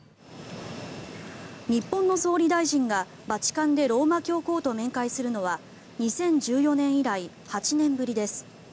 日本の総理大臣がバチカンでローマ教皇と面会するのは２０１４年以来８年ぶりです。